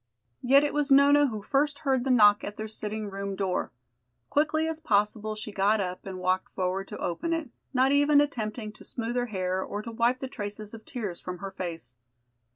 Yet it was Nona who first heard the knock at their sitting room door. Quickly as possible she got up and walked forward to open it, not even attempting to smooth her hair or to wipe the traces of tears from her face.